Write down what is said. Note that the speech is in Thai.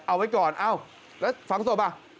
เอาไว้ก่อนเอ้าแล้วฝังศพอ่ะ